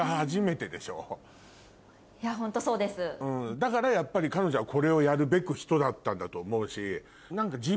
だからやっぱり彼女はこれをやるべく人だったんだと思うし。